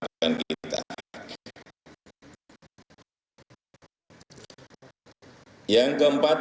ini juga hal yang harus kita lakukan sehingga saya menyampaikan bahwa